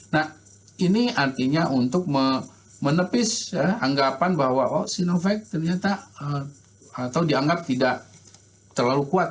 nah ini artinya untuk menepis anggapan bahwa sinovac ternyata atau dianggap tidak terlalu kuat